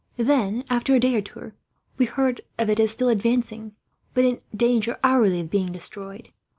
Then, after a day or two, we heard of it as still advancing; but in danger, hourly, of being destroyed.